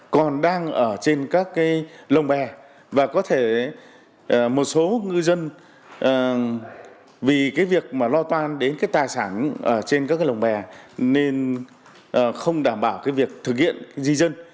còn đang ở trên các cái lồng bè và có thể một số ngư dân vì cái việc mà lo toan đến cái tài sản trên các cái lồng bè nên không đảm bảo cái việc thực hiện di dân